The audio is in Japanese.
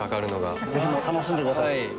楽しんでください。